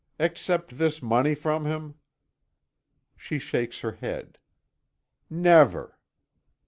Accept this money from him." She shakes her head: "Never!"